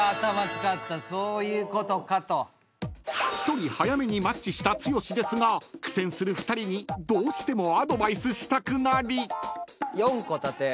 ［１人早めにマッチした剛ですが苦戦する２人にどうしてもアドバイスしたくなり］